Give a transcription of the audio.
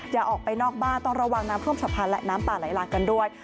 อย่าออกไปนอกบ้านต้องระวังน้ำท่วมฉับพันธ์และน้ำป่าไหลหลากกันด้วย